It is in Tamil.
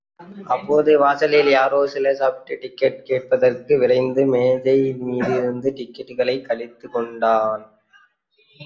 அப்போது, வாசலில் யாரோ சிலர் சாப்பாட்டு டிக்கட் கேட்பதறிந்து விரைந்து, மேஜை மீதிருந்த டிக்கட்டுகளைக் கிழித்துக் கொடுத்தான்.